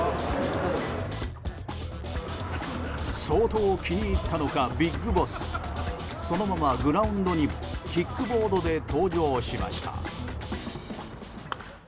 相当、気に入ったのかビッグボスそのままグラウンドにもキックボードで登場しました。